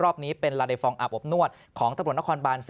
นี้เป็นลาเดฟองอาบอบนวดของตำรวจนครบาน๔